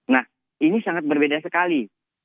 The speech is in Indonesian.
nah ini sangat berbeda sekali